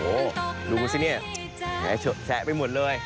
โอ้โหดูสิเนี่ยแฉะไปหมดเลย